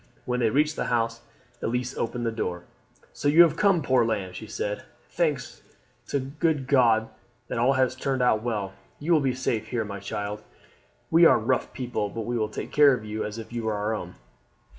When they reached the house Elise opened the door. "So you have come, poor lamb!" she said. "Thanks to the good God that all has turned out well. You will be safe here, my child. We are rough people, but we will take care of you as if you were our own."